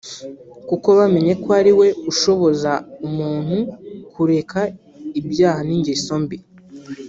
kuko bamenye ko ari we ushoboza umuntu kureka ibyaha n’ingeso mbi